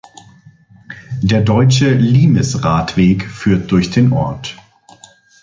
Der Deutsche Limes-Radweg führt durch den Ort.